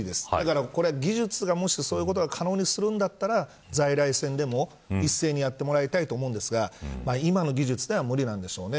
だから技術がもしそういうことを可能にするんだったら在来線でも一斉にやってもらいたいと思うんですが今の技術では無理なんでしょうね。